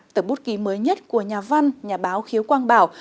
tập bút ký mới nhất của nhà văn nhà báo khiếu quang bảo